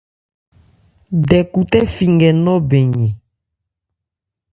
Dɛkhutɛ fi nkɛ nnɔ́ bɛn yɛn.